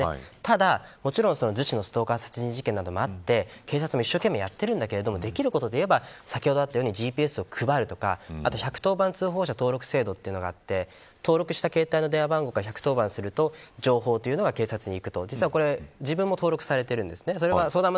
ただ、もちろんストーカー殺人事件なんかもあって警察も一生懸命やってるんだけどできることは先ほどもあったようにＧＰＳを配るとか１１０番通報者登録制度というのがあって登録した携帯の番号から１１０番すると情報が警察にいくと。